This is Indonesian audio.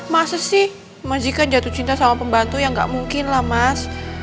masa sih mas jika jatuh cinta sama pembantu yang gak mungkin lah mas